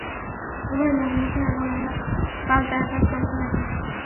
উভয়ই মুখোমুখি হয় এবং আঘাত পাল্টা আঘাত চলতে থাকে।